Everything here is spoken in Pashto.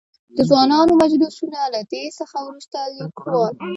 د ځوانانو مجلسونه؛ له دې څخه ورورسته ليکوال.